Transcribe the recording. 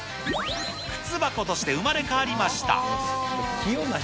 靴箱として生まれ変わりました。